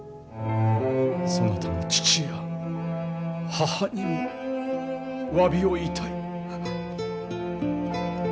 そなたの父や母にもわびを言いたい。